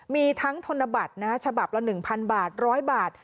มีทั้งธนบัตรฉบับละ๑๐๐บาท๑๐๐บาท